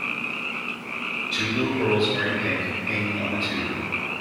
Two little girls, wearing pink hanging on a tube.